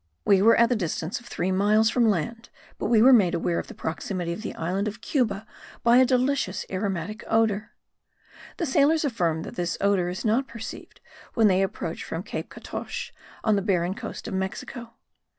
We were at the distance of three miles from land but we were made aware of the proximity of the island of Cuba by a delicious aromatic odour. The sailors affirm that this odour is not perceived when they approach from Cape Catoche on the barren coast of Mexico.